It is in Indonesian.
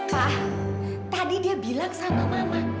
pak tadi dia bilang sama mama